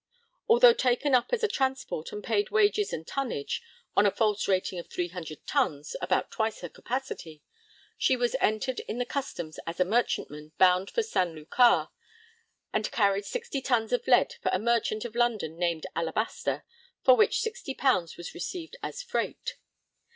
Although taken up as a transport and paid wages and tonnage (on a false rating of 300 tons, about twice her capacity) she was entered in the Customs as a merchantman bound for San Lucar, and carried 60 tons of lead for a merchant of London named Alabaster, for which 60_l._ was received as freight.